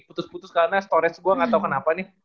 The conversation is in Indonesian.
putus putus karena storage gue gak tau kenapa nih